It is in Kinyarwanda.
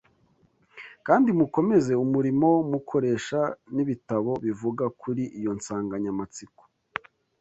kandi mukomeze umurimo mukoresha n’ibitabo bivuga kuri iyo nsanganyamatsiko